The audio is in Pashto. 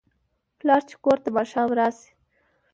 پلار چې کور ته ماښام راشي